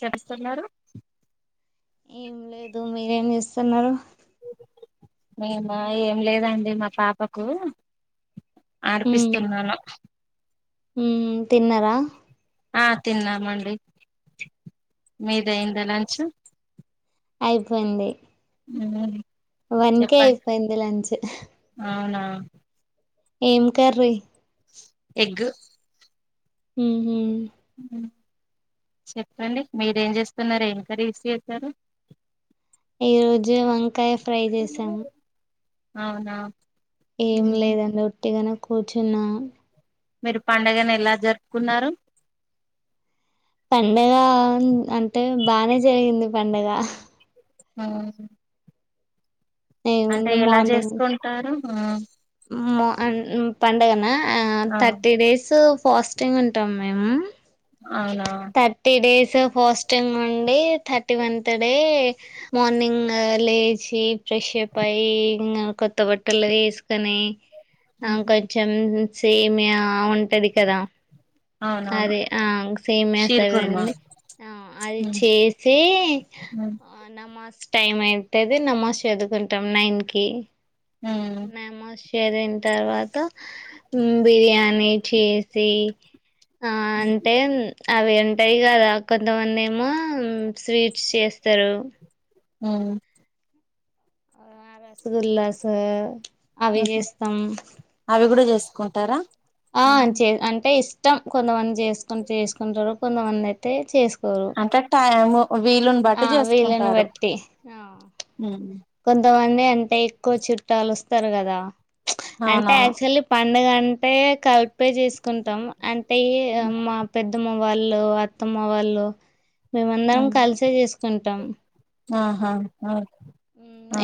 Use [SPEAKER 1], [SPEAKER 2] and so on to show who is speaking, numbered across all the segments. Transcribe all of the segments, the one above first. [SPEAKER 1] చేస్తున్నారు
[SPEAKER 2] ఏం లేదు మీరేం చేస్తున్నారు
[SPEAKER 1] మేమ ఏం లేదండి మా పాపకు
[SPEAKER 2] ఉమ్
[SPEAKER 1] ఆడ్పిస్తున్నాను
[SPEAKER 2] హమ్ తిన్నర
[SPEAKER 1] ఆ తిన్నామండి మీది అయిందా లంచ్
[SPEAKER 2] అయిపోయింది
[SPEAKER 1] ఉ
[SPEAKER 2] వన్ కే అయిపోయింది లంచ్
[SPEAKER 1] అ
[SPEAKER 2] ఏం కర్రి
[SPEAKER 1] ఎగ్
[SPEAKER 2] ఉహు
[SPEAKER 1] ఉమ్ చెప్పండి మీరేం చేస్తున్నారు ఏం కరీస్ చేస్తారు
[SPEAKER 2] ఈ రోజు వం కాయ ఫ్రై చేసాము
[SPEAKER 1] అవునా
[SPEAKER 2] ఏం
[SPEAKER 1] మ్మ్.
[SPEAKER 2] లేదండి ఒట్టిగనే కూర్చున్నా
[SPEAKER 1] మీరు పండుగను ఎలా జరుపుకున్నారు
[SPEAKER 2] పండగ అన్ అంటే బానే జరిగింది పండగ
[SPEAKER 1] ఆ అంటే
[SPEAKER 2] ఏముంది
[SPEAKER 1] ఎలా
[SPEAKER 2] మార్నింగ్
[SPEAKER 1] చేసుకుంటారు ఆ
[SPEAKER 2] మో అన్ అ పండగనా ఆ థర్టీ డేస్ ఫాస్టింగ్ ఉంటాం మేము
[SPEAKER 1] అవునా
[SPEAKER 2] థర్టీ డేస్ సపోజ్ ఇంగ్ అండి థర్టీ వన్త్ డే మార్నింగ్ లే షి ఫ్రెష్ అప్ అయ్యి ఇంగ కొ త్త బట్టలు ఏసుకొని
[SPEAKER 1] మ్మ్.
[SPEAKER 2] కొంచెం సేమియా ఉంటది కదా
[SPEAKER 1] అవునవును
[SPEAKER 2] అదే ఆ సేమ్య
[SPEAKER 1] షీర్
[SPEAKER 2] వస్తది
[SPEAKER 1] కుర్మా
[SPEAKER 2] కదండి ఆ అది
[SPEAKER 1] మ్మ్.
[SPEAKER 2] చేసే
[SPEAKER 1] మ్మ్.
[SPEAKER 2] ఆ నమాజ్ టైమ్ అయితది నమాజ్ చదువుకుంటాం నైన్ కి నమాజ్ చేసిన తర్వాత బిర్యా ని చేసి అ ఆ
[SPEAKER 1] మ్మ్.
[SPEAKER 2] అంటే అవి ఉంటాయి కదా కొంతమంది ఏమో స్వీట్స్ చేస్తారు
[SPEAKER 1] ఊమ్
[SPEAKER 2] రసగుల్లస్
[SPEAKER 1] ఉహూ అవి కూడా చేస్ కుంటారా
[SPEAKER 2] ఆ చే అంటే ఇస్ ఇష్టం కొంతమంది చేసుకు చేసుకుంటారు కొంతమంది అయితే చేసుకు
[SPEAKER 1] అంటే టైమ్ వీలుని బట్టి
[SPEAKER 2] ఆ వీళ్ళని
[SPEAKER 1] చేసుకుంటారు
[SPEAKER 2] బట్టి ఆ
[SPEAKER 1] ఉమ్
[SPEAKER 2] కొంతమంది అంతే ఎక్కువ చుట్టాలు వస్తారు కదా అంటే
[SPEAKER 1] అవునవును
[SPEAKER 2] అక్చుఅల్లీ ప పండుగంటే కల్ పే చేసుకుంటాం అంటే మా పెద్దమ్మ వాళ్ళు అత్తమ్మ వాళ్ళు మేమందరం
[SPEAKER 1] ఉమ్
[SPEAKER 2] కలిసే చేసుకుంటాం
[SPEAKER 1] ఆహా ఆ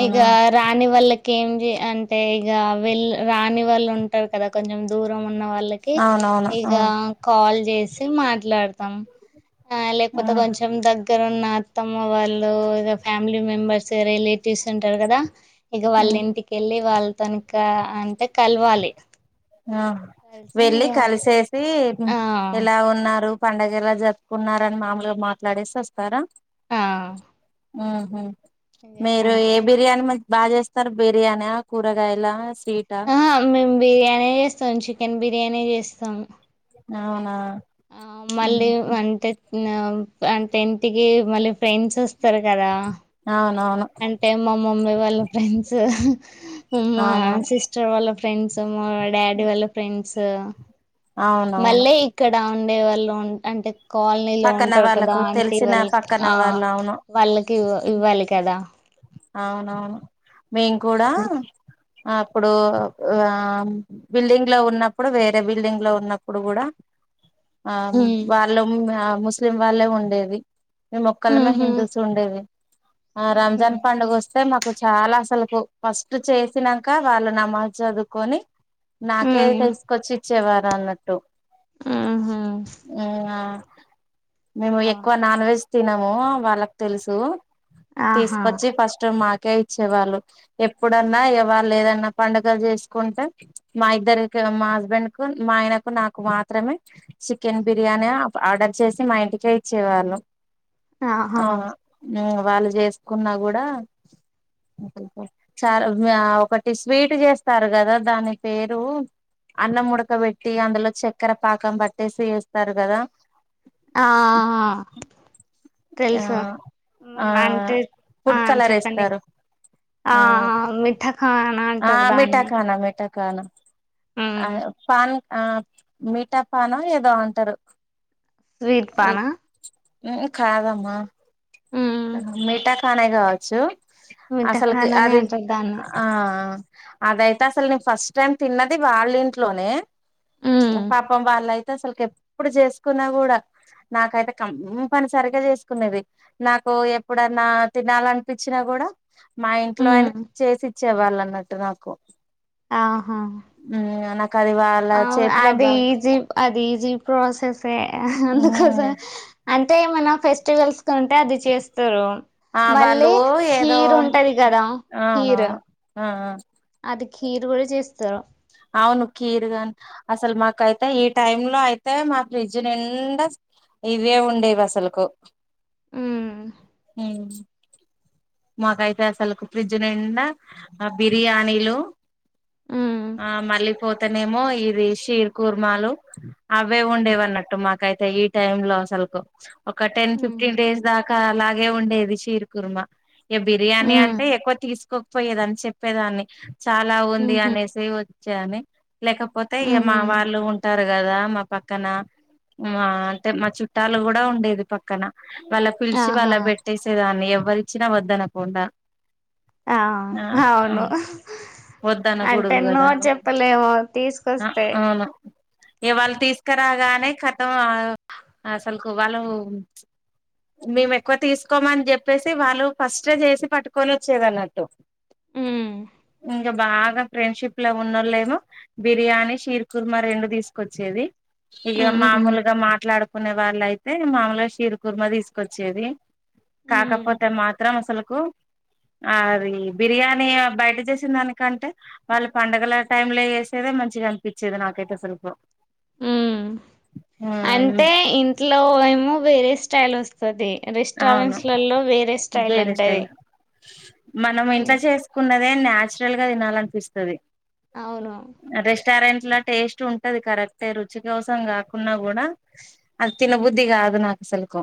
[SPEAKER 2] ఇగ రాణి వాళ్ళ కి ఏంది అంటే ఇక వెల్ రాని వాళ్ళు ఉంటారు కదా కొంచెం దూరం ఉన్న వాళ్ళకి
[SPEAKER 1] అవునవును
[SPEAKER 2] ఇక
[SPEAKER 1] ఆ
[SPEAKER 2] కాల్ చేసి మాట్లాడతాం ఆ
[SPEAKER 1] ఆ
[SPEAKER 2] లేకపోతే కొంచెం దగ్గ ఇక్కడ ఉన్న అత్తమ్మ వాళ్ళు ఇగా ఫ్యామిలీ మెంబర్స్ స రిలేటివ్స్ ఉంటారు కదా ఇక వాళ్ళ
[SPEAKER 1] ఉమ్
[SPEAKER 2] ఇంటికెళ్ళి వాళ్ళు తన ఇంకా అంటే కలవాలి
[SPEAKER 1] ఆ
[SPEAKER 2] కలిసి
[SPEAKER 1] వెళ్ళి
[SPEAKER 2] ఇగ
[SPEAKER 1] కలిసేసి
[SPEAKER 2] ఆ!
[SPEAKER 1] ఎలా ఉన్నా పండడుగలా జప్పుకున్నారుార అని మామలుగా మాట్లాడేసి వస్తారా
[SPEAKER 2] ఆ!
[SPEAKER 1] ఆహ
[SPEAKER 2] ఇగ
[SPEAKER 1] మీరు
[SPEAKER 2] అన్
[SPEAKER 1] ఏ బిర్యానీ మంచి బాగా చేస్తారు బిర్యాని కూరగాయల స్వీటా
[SPEAKER 2] ఆ బిర్యానీ సగం చికెన్ బిర్యానీ చేస్తాం
[SPEAKER 1] అవునా
[SPEAKER 2] ఆ మళ్ళీ
[SPEAKER 1] ఉహు.
[SPEAKER 2] అంటే టెన్ట్ కి మళ్ళీ ఫ్రెండ్స్ వస్తారు కదా
[SPEAKER 1] అవునవును
[SPEAKER 2] అంటే మామమ్మీ వాళ్ళ ఫ్రెండ్స్ హ మా
[SPEAKER 1] అవునవును
[SPEAKER 2] సిస్టర్ వాళ్ళ ఫ్రెండ్స్ మా డాడీ వాళ్ళ ఫ్రెండ్స్ స
[SPEAKER 1] అవునవును
[SPEAKER 2] మళ్ళీ ఇక్కడ ఉండే వాళ్ళు అంటే కాలనీలో
[SPEAKER 1] పక్కన
[SPEAKER 2] ఉంటారు కదా
[SPEAKER 1] వాళ్ళకు
[SPEAKER 2] అంత
[SPEAKER 1] తెలిసిన
[SPEAKER 2] ఇవ్వాలి
[SPEAKER 1] పక్కన
[SPEAKER 2] ఆ
[SPEAKER 1] వాళ్ళు అవును
[SPEAKER 2] వాళ్ళకివ ఇవ్వాలి కదా
[SPEAKER 1] అవునవును మేం కూడా అప్పుడు ఆ బిల్డింగ్ లో ఉన్నప్పుడు వేరే బిల్డింగ్ లో ఉన్నప్పుడు కూడా ఆ
[SPEAKER 2] హ్మ్
[SPEAKER 1] వాళ్ళం ముస్లిం వాళ్ళే ఉండేది మీ మొక్కల మా
[SPEAKER 2] ఊహూ
[SPEAKER 1] హిందూస్ ఉండేవి ఆ రామ్
[SPEAKER 2] ఊహూ
[SPEAKER 1] జల్పండడు గోస్త అే మాకు చాలా అసలు ఫస్ట్ చేసినాక వాళ్ళు నమ్మల్ చదువుకొని నాకే
[SPEAKER 2] హ్మ్
[SPEAKER 1] తెలుసుకొచ్చి చ్చేవారా అన్నట్టు
[SPEAKER 2] ఊహూ
[SPEAKER 1] ఆ మేము
[SPEAKER 2] అవును
[SPEAKER 1] ఎక్కువ నాన్ వెజ్ తినము వాళ్ళకి తెలుసు
[SPEAKER 2] ఆహా
[SPEAKER 1] వచ్చే ఫస్ట్ మా కే ఇచ్చేవాళ్ళు. ఎప్పుడన్నా ఇగా వలేదన్నా పండుగలు చేసుకుంటే మా ఇద్దరికి మా హస్బెండ్ కు మా ఆయనకు నాకు మాత్రమే చికెన్ బిర్యాని ఆర్డర్ చేసి మా ఇంటికే ఇచ్చేవాళ్ళు.
[SPEAKER 2] ఆహా
[SPEAKER 1] అవున నీ వాళ్ళు చెస్ట్ కున్నా గూడా చార్ ఒకటి స్వీట్ చేస్తారు కదా. దాని పేరు అన్నంముడకబెట్టి అందులో చక్కెర పాకం పట్టేసి వేస్తారు కదా.
[SPEAKER 2] ఆహ్ ఆ ఆ
[SPEAKER 1] ఆ
[SPEAKER 2] తెలుసు
[SPEAKER 1] ఆ
[SPEAKER 2] ఉహ్మ్ అంటే ఆ
[SPEAKER 1] ఫుడ్ కలర్
[SPEAKER 2] చెప్పండి.
[SPEAKER 1] ఏస్తారు
[SPEAKER 2] ఆ మిఠాకా
[SPEAKER 1] ఆ మీఠాఖానా మీిఠాక్ కానా
[SPEAKER 2] మ్మ్
[SPEAKER 1] అద్ పన్ ఆ మీిఠా పానా ఏదో అంటారు.
[SPEAKER 2] స్వీట్ పనా
[SPEAKER 1] ఎ ఏ కాదమ్మా
[SPEAKER 2] మ్మ్
[SPEAKER 1] మేటక్ పానే గావచ్చు. అసలుకి
[SPEAKER 2] మిఠాఖానానే
[SPEAKER 1] అది
[SPEAKER 2] అంటారు దాన్ని
[SPEAKER 1] ఆహ్ అదైతే అసలు నేను ఫస్ట్ టైం తిన్నది. వాళ్ళ ఇంట్లోనే
[SPEAKER 2] మ్మ్
[SPEAKER 1] పాపం వాళ్లయిత్ అసలుకి ఎప్పుడు చేసుకున్నా గూడా నాకైతే కంప్పనిసరిగా చేసుకున్నది. నాకు ఎప్పుడన్నా తినాలనిపించినా గూడా మా ఇంట్లో
[SPEAKER 2] మ్మ్
[SPEAKER 1] అయినా చేసి ఇచ్చేవాలన్నట్టు నాకు
[SPEAKER 2] ఆహా
[SPEAKER 1] మ్మ్ నాకు అది వాళ్ళ
[SPEAKER 2] అవు
[SPEAKER 1] చేతిలో
[SPEAKER 2] అది
[SPEAKER 1] బాగా
[SPEAKER 2] ఈజి అది ఈజీ ప్రాసెసే
[SPEAKER 1] మ్మ్
[SPEAKER 2] అందుకోసమే అంటే ఏమన్నా ఫెస్టివల్స్ కు ఉంటే అది చేస్తారు
[SPEAKER 1] ఆ
[SPEAKER 2] మళ్ళీ
[SPEAKER 1] వాళ్ళు ఏదో
[SPEAKER 2] ఖీర్ ఉంటది కదా
[SPEAKER 1] అవునవును ఆ
[SPEAKER 2] కీరు కూడా చేస్తారు
[SPEAKER 1] అవును కీరుగాని అసలు మాకైతే ఈ టైమ్ లో అయితే మా ఫ్రిడ్జ్ నిండా ఇవే ఉండేవి అసలుకు
[SPEAKER 2] హ్మ్
[SPEAKER 1] హమ్ మాకు అయితే అసలుకు ఫ్రిడ్జ్ నిండా ఆ బిర్యానీలు
[SPEAKER 2] మ్మ్
[SPEAKER 1] ఆ మళ్ళీపోతానేమో ఈ రీ షీర్ కుర్మాలు అవే ఉండేవి అన్నట్టు మాకైతే ఈ ఈ టైమ్ లో అసలకు ఒక టెన్
[SPEAKER 2] మ్మ్
[SPEAKER 1] ఫిఫ్టీన్ డేస్ దాకా అలాగ్ డే ఉండేది షీర్ కుర్మా ఏ బిర్యానీ
[SPEAKER 2] మ్మ్
[SPEAKER 1] అంటే ఎక్కువ తీసుకోకపోయేదని చెప్పేదాన్ని. చాలా ఉంది
[SPEAKER 2] మ్మ్
[SPEAKER 1] అనేసి వచ్చాను లేకపోతే ఏ
[SPEAKER 2] మ్మ్
[SPEAKER 1] మా
[SPEAKER 2] మ్మ్
[SPEAKER 1] వాళ్ళు ఉంటారు కదా మా పక్కన మా అంటే మా చుట్టాలు కూడా ఉండేది పక్కన వాళ్ళ పిలిచి వాళ్ళ
[SPEAKER 2] ఆహా
[SPEAKER 1] పెట్టేసేదాన్ని ఎవర్ చ్చిన వద్దనకుండా
[SPEAKER 2] ఆ అవును అంటే
[SPEAKER 1] వద్దనకూడదు
[SPEAKER 2] నో
[SPEAKER 1] కదా
[SPEAKER 2] చెప్పలేము తీసుకొస్తే
[SPEAKER 1] ఏ వాళ్ళు తీసుకురాగానే కతం అసలకు వాళ్ళు మేము ఎక్కువ తీసుకోమని చెప్పేసి వాళ్ళు ఫస్ట్ చేసి పట్కొని వచ్చేది అన్నట్టు
[SPEAKER 2] ఉహు
[SPEAKER 1] ఇంకా బాగా ఫ్రెండ్షిప్ లో ఉన్నోళ్ళలేమో బిర్యానీ షీర్ కుర్మ రెండు తీసుకొచ్చేది ఇక మామూలుగా మాట్లాడు కునే వాళ్ళ అయితే మామూలుగా షీరు కుర్మ తీసుకొచ్చేది కాకపోతే అ మాత్రం అసలుకు అది బిర్యానీ బయట చేసిన దానికంటే వాళ్ళు పండగల టైమ్ లో వేసేద మంచిగా అనిపించేది నాకైతే సలకు
[SPEAKER 2] ఉమ్ అంటే ఇంట్లో ఏమో వేరే స్టైల్ వస్తాది
[SPEAKER 1] అవును
[SPEAKER 2] రెస్టారెంట్స్ లలో వేరే స్టైల్
[SPEAKER 1] వేరే
[SPEAKER 2] ఉంటది
[SPEAKER 1] స్టైల్ మనం ఇంట్లా చేసుకున్నది అదే న్యాచురల్ గా తినాలనిపిస్తాది
[SPEAKER 2] అవును
[SPEAKER 1] రెస్టారెంట్లా టేస్ట్ ఉంటది కరెక్ట్ రుచి కోసం కాకున్నా కూడా అది తినబుద్ధి కాదు నాకు అసలులకు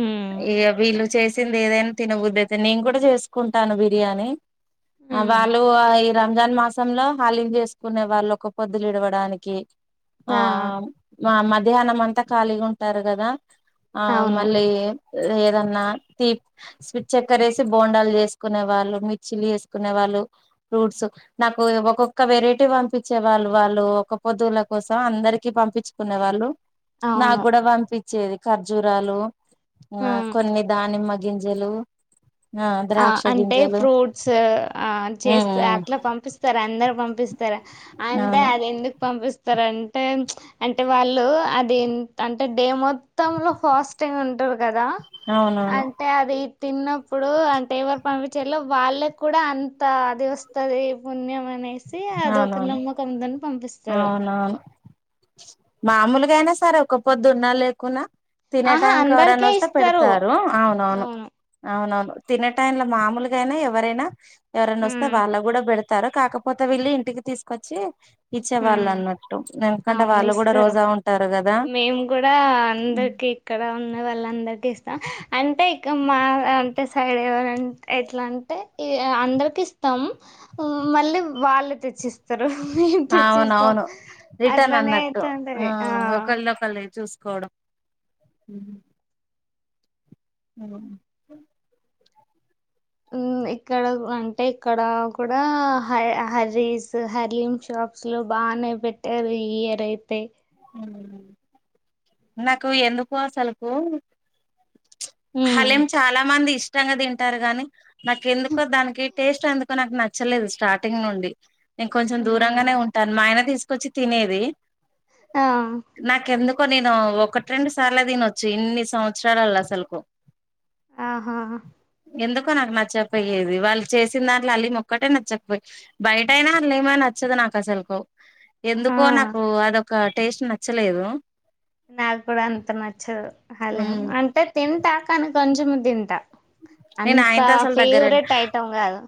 [SPEAKER 2] ఉమ్
[SPEAKER 1] ఇక బిల్లు చేసింది ఏదైనా తినబదు అయితే నేను కూడా చేసుకుంటాను బిర్యానీ అ
[SPEAKER 2] ఉమ్
[SPEAKER 1] బాలు రంజాన్ మాసంలో హాలీం చేసుకునే వాళ్ళు ఒక పొద్దులు ఇడవడానికి ఆ మా మధ్యాహ్నం అంతా ఖాళీగా ఉంటారు కదా ఆ
[SPEAKER 2] అవును
[SPEAKER 1] మళ్ళీ ఏదన్నా తీ స్విట్ చెక్కర వేసి బోండాలు చేసుకునే వాళ్ళు మిర్చిలు చేసుకునే వాళ్ళు ఫ్రూట్స్ నాకు ఒక్కొక్క వెరైటీ పంపించే వాళ్ళు వాళ్ళు ఒక పొదుల కోసం అందరికి పంపించుకునే వాళ్ళు నా
[SPEAKER 2] అవును
[SPEAKER 1] కూడా పంపి వచ్చేది ఖర్జూరాలు ఆ
[SPEAKER 2] ఉమ్
[SPEAKER 1] కొన్ని దానిమ్మ గింజలు
[SPEAKER 2] ఆ
[SPEAKER 1] ద్రాక్ష
[SPEAKER 2] అంటే
[SPEAKER 1] గింజలు
[SPEAKER 2] ఫ్రూట్స్ ఆ
[SPEAKER 1] ఉమ్
[SPEAKER 2] చేస్త
[SPEAKER 1] ఉమ్
[SPEAKER 2] అట్లా పంపిస్తారు అందరు పంపి రా అంటే
[SPEAKER 1] అవును
[SPEAKER 2] అది ఎందుకు పంపిస్త స్తారు అంటే అంటే వాళ్ళు అది అంటే డే మొత్తంలో ఫాస్టింగ్ ఉంటారు కదా
[SPEAKER 1] అవునవును
[SPEAKER 2] అంటే అది తిన్నప్పుడు అ టేవర్ పంపించేలో వాళ్ళకి కూడా అంత అది వస్తది పుణ్యం అనే సి అదొక
[SPEAKER 1] అవునవును
[SPEAKER 2] నమ్మకముందని పంపిస్తారు
[SPEAKER 1] అవునవును మామూలుగా అయినా సరే ఒక పొద్దున్నా లేకున్నా తినే
[SPEAKER 2] ఆహా
[SPEAKER 1] టైంకి ఎవరైనా
[SPEAKER 2] అందరికే
[SPEAKER 1] వస్తే
[SPEAKER 2] ఇస్తారు
[SPEAKER 1] పెడతారు అవునవును
[SPEAKER 2] అవును
[SPEAKER 1] అవునవును తినే టైంలో మామూలుగైనా ఎవరైనా ఎవరన్నా వస్తే
[SPEAKER 2] ఉమ్
[SPEAKER 1] వాళ్ళకు కూడా పడతారు తారు కాక పోతే వెళ్లి ఇంటికి తీసుకొచ్చి ఇచ్చేవాళ్ళు
[SPEAKER 2] ఉమ్
[SPEAKER 1] అన్నట్టు ఎందుకంటే
[SPEAKER 2] అవును
[SPEAKER 1] వాళ్ళు కూడా
[SPEAKER 2] ఇస్తారు
[SPEAKER 1] రోజా ఉంటారు కదా
[SPEAKER 2] మేము కూడా అందరికి ఇక్కడ ఉన్న వాళ్ళందరికి ఇస్తాం అంటే ఇక మా అంటే సైడ్ ఎట్లా అంటే అందరికి ఇస్తాము మళ్ళీ వాళ్ళు తెచ్చిస్తారు మీ ఇంటి
[SPEAKER 1] అవును రిటర్న్ అన్నట్టు ఆ ఒకళ్ళు ఒకళ్ళు చూసుకోవడం ఉమ్ అమ్
[SPEAKER 2] ఉమ్ ఇక్కడ అంటే ఇక్కడ కూడా హ హరీస్ హలీమ్ షాప్స్ లో బానే పెట్టారు ఈ ఇయర్ అయితే
[SPEAKER 1] నాకు ఎందుకు అసలుకు
[SPEAKER 2] ఉమ్
[SPEAKER 1] హలేం చాలా మంది ఇష్ ఇష్టంగా తింటారు గాని నాక ఎందుకు దానికి టేస్ట్ అందుకు నాకు నచ్చలేదు స్టార్టింగ్ నుండి నేను కొంచెం దూరంగానే
[SPEAKER 2] ఉమ్,
[SPEAKER 1] ఉంటాను మా ఆయన తీసుకొచ్చి తినేది
[SPEAKER 2] ఆ
[SPEAKER 1] కో నేను ఒకటి రెండు సార్లు తినొచ్చు ఇన్ని సంవత్సరాలలో అసలుకు
[SPEAKER 2] ఆహా
[SPEAKER 1] ఎందుకో నాకు నచ్చకపోయేది వాళ్ళు చేసిన దాంట్లో హలీం ఒకటే నచ్చకపోయి బయట అయినా హలీం నచ్చదు నాకు అసలుకో ఎందుకో
[SPEAKER 2] ఆ
[SPEAKER 1] నాకు అద ఒక టేస్ట్ నచ్చలేదు
[SPEAKER 2] నాకు కూడా అంత నచ్చదు
[SPEAKER 1] ఉమ్
[SPEAKER 2] హలేం అంటే తింటాకాని కొంచెం తింటా
[SPEAKER 1] నేను
[SPEAKER 2] అంత
[SPEAKER 1] ఆయనతో అసలు దగ్గర
[SPEAKER 2] ఫేవరెట్ ఐటం కాదు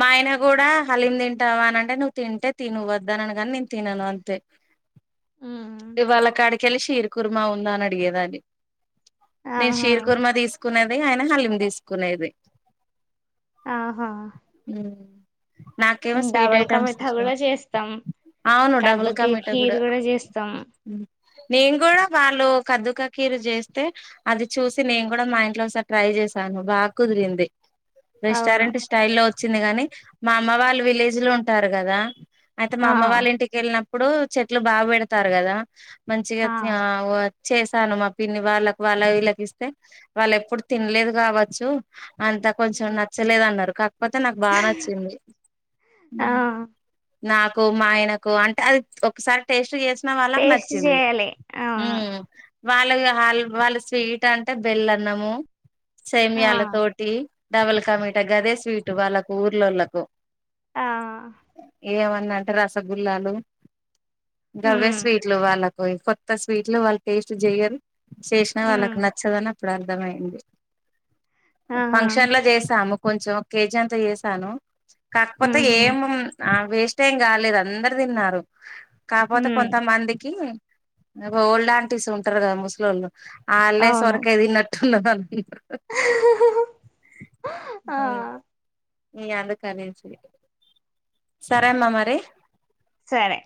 [SPEAKER 1] మా ఆయన కూడా హలిం తింటావా అని అంటే నువ్వు తింటే తి నువ్ వద్దానని కాని నేను తినను అంతే
[SPEAKER 2] ఉమ్.
[SPEAKER 1] ఇవాళ కాడికిెళ్ళి హీర్ కుర్మా ఉందా అని అడిగేదాన్ని నేను
[SPEAKER 2] ఆహా
[SPEAKER 1] షీర్ కుర్మ తీసు కునేది ఆయన హలీం తీసు కునేది
[SPEAKER 2] ఆహా
[SPEAKER 1] నాకేమో స్వీట్
[SPEAKER 2] డబల్ కా
[SPEAKER 1] ఐటమ్స్
[SPEAKER 2] మిఠా
[SPEAKER 1] ఇష్టం
[SPEAKER 2] కూడా చేస్తాం
[SPEAKER 1] అవును డబుల్ కా
[SPEAKER 2] కద్దుకి
[SPEAKER 1] మీటా
[SPEAKER 2] ఖీర్
[SPEAKER 1] కూడా
[SPEAKER 2] చేస్తాం
[SPEAKER 1] నేను కూడా వాళ్ళు కదుక కీరు చేస్తే అది చూసి నేను కూడా మా ఇంట్లో ఒకసారి ట్రై చేసాను బాకుదిరింది
[SPEAKER 2] అవును
[SPEAKER 1] రెస్టారెంట్ స్టైల్ లో వచ్చింది గాని మా అమ్మ వాళ్ళు విలేజ్ లో ఉంటారు కదా అయితే మా
[SPEAKER 2] ఆ
[SPEAKER 1] అమ్మ వాళ్ళ ఇంటికి వెళ్ళినప్ ఇప్పుడు చెట్లు బాగా పెడతారు కదా మంచిగా
[SPEAKER 2] ఆ
[SPEAKER 1] తి ఆహ్ ఓ చేశాను మా పిన్ని వాళ్ళకి వాళ్ళ వీళ్ళకి ఇస్తే వాళ్ళ ఎప్పుడు తినలేదు కావ చ్చు అంతా కొంచెం నచ్చలేదు అన్నారు కా పోతే నాకు బాగా నచ్చింది
[SPEAKER 2] ఆ
[SPEAKER 1] నాకు మా ఆయనకు అంటే అది ఒకసారి టేస్ట్ చేస్ ఇచ్చిన వాళ్ళకు
[SPEAKER 2] టేస్ట్
[SPEAKER 1] నచ్చింది
[SPEAKER 2] చేయాలి అవును
[SPEAKER 1] హ్మ్ వాళ్ళ వాళ్ళ స్వీట్ అంటే బెల్ అన్నము
[SPEAKER 2] ఆ
[SPEAKER 1] సేమయాల తోటి డబల్ కమిట గదే స్వీట్ వాళ్ళకు ఊర్లోళ్ళలకు
[SPEAKER 2] ఆ
[SPEAKER 1] ఏమన్నా అంటే రసగుల్లాలు దవ్య
[SPEAKER 2] ఉమ్
[SPEAKER 1] స్వీట్లు వాళ్ళ కొత్త స్వీట్ లో వాళ్ళు టేస్ట్ చెయ్యరు శేషణ వాళ్ళకి
[SPEAKER 2] ఉమ్
[SPEAKER 1] నచ్చదా ఇప్పుడు అర్థమైంది
[SPEAKER 2] ఆహా
[SPEAKER 1] ఫంక్షన్ లో చేసాము కొంచెం కేజీ అంతా చేసాను కాకపోతే
[SPEAKER 2] ఉహు
[SPEAKER 1] ఏమ ఆ వేస్ట్ టైం కాలేదు అందరు తిన్నారు కాపోతే
[SPEAKER 2] ఉమ్
[SPEAKER 1] కొంతమందికి అ ఓల్డ్ ఆంటీస్ ఉంటారు కదా ముస్లిళ్ళు ఆళ్లే
[SPEAKER 2] అవును
[SPEAKER 1] సొరకాయ తిన్నట్టు ఇ హ హ
[SPEAKER 2] ఆ
[SPEAKER 1] న అందు కాద సరే అమ్మా మరి
[SPEAKER 2] సరే